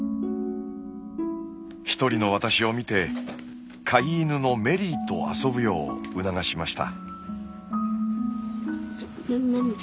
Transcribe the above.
一人の私を見て飼い犬のメリーと遊ぶよう促しました。